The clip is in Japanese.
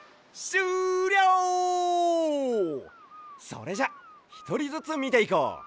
それじゃひとりずつみていこう。